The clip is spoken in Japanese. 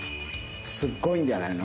すごいんじゃないの？